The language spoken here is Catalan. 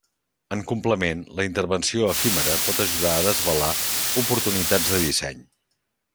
En complement, la intervenció efímera pot ajudar a desvelar oportunitats de disseny.